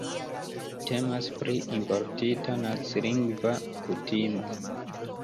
Temas pri importita nacilingva kutimo.